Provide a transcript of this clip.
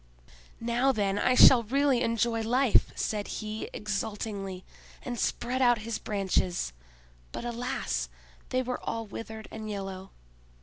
"Now, then, I shall really enjoy life," said he, exultingly, and spread out his branches; but, alas! they were all withered and yellow.